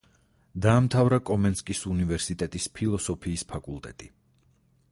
დაამთავრა კომენსკის უნივერსიტეტის ფილოსოფიის ფაკულტეტი.